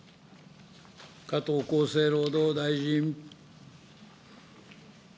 加藤厚生労働大臣。